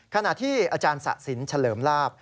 ขณะที่อาจารย์ศักดิ์ศิลป์เฉลิมลาบ